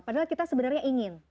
padahal kita sebenarnya ingin